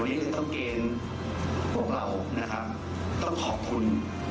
วันนี้ก็ต้องเกณฑ์พวกเรานะครับต้องขอบคุณ